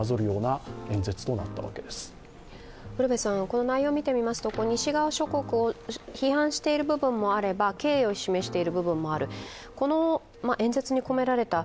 この内容を見てみますと、西側諸国を批判している部分もあれば敬意を示している部分もある、この演説に込められた